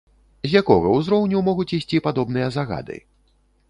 З якога узроўню могуць ісці падобныя загады?